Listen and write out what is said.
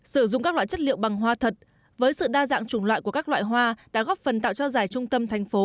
sử dụng các loại chất liệu bằng hoa thật với sự đa dạng chủng loại của các loại hoa đã góp phần tạo cho giải trung tâm thành phố